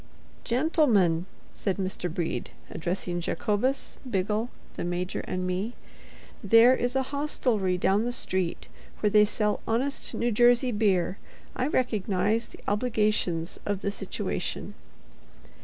"Gentlemen," said Mr. Brede, addressing Jacobus, Biggle, the Major and me, "there is a hostelry down the street where they sell honest New Jersey beer. I recognize the obligations of the situation."